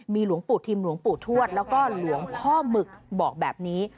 หลวงปู่ทิมหลวงปู่ทวดแล้วก็หลวงพ่อหมึกบอกแบบนี้